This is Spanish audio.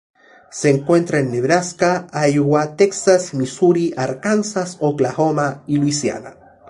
Se encuentra en Nebraska, Iowa, Texas, Misuri, Arkansas, Oklahoma y Luisiana.